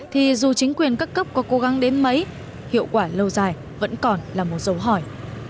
thì dù chính quyền các cấp có cố gắng đến mấy hiệu quả lâu dài vẫn còn là một dấu hỏi